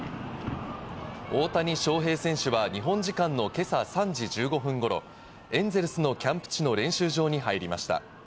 大谷翔平選手は日本時間の今朝３時１５分頃、エンゼルスのキャンプ地の練習場に入りました。